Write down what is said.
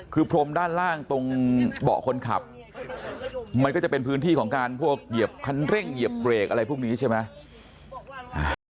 คือพรมด้านล่างตรงเบาะคนขับมันก็จะเป็นพื้นที่ของการพวกเหยียบคันเร่งเหยียบเบรกอะไรพวกนี้ใช่ไหม